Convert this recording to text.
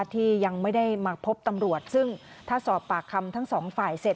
ที่ยังไม่ได้มาพบตำรวจซึ่งถ้าสอบปากคำทั้งสองฝ่ายเสร็จ